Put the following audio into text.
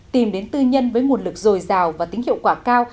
tìm đến tư nhân với nguồn lực dồi dào và tính hiệu quả cao